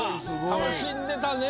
楽しんでたね。